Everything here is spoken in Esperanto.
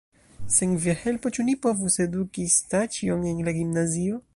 Sen via helpo, ĉu ni povus eduki Staĉjon en la gimnazio?